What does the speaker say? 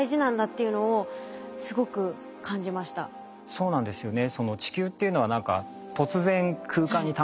そうなんですよね。